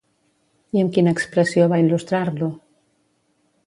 I amb quina expressió va il·lustrar-lo?